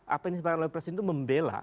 apa yang disampaikan oleh presiden